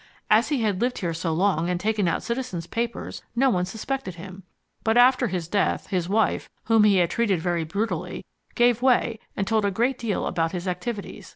As he had lived here so long and taken out citizen's papers, no one suspected him. But after his death, his wife, whom he had treated very brutally, gave way and told a great deal about his activities.